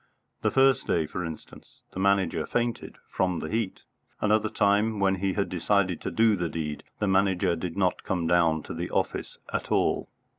The first day, for instance, the Manager fainted from the heat. Another time when he had decided to do the deed, the Manager did not come down to the office at all.